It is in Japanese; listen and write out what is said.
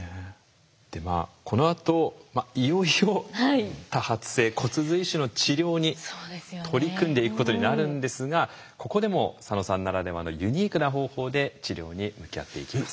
でまあこのあといよいよ多発性骨髄腫の治療に取り組んでいくことになるんですがここでも佐野さんならではのユニークな方法で治療に向き合っていきます。